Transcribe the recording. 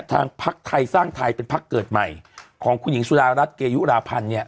พักไทยสร้างไทยเป็นพักเกิดใหม่ของคุณหญิงสุดารัฐเกยุราพันธ์เนี่ย